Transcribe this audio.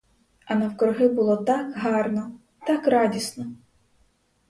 А навкруги було так гарно, так радісно.